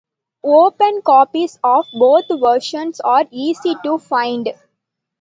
Open copies of both versions are easy to find.